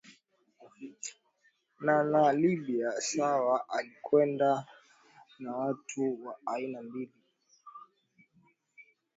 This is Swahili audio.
na na libya sawa alikwenda na watu wa aina mbili